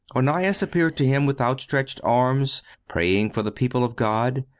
Onias appeared to him with outstretched arms, praying for the people of God.